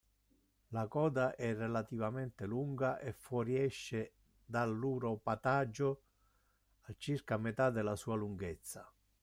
La coda è relativamente lunga e fuoriesce dall'uropatagio a circa metà della sua lunghezza.